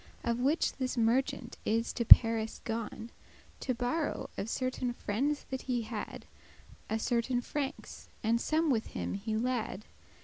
*crowns, ecus For which this merchant is to Paris gone, To borrow of certain friendes that he had A certain francs, and some with him he lad.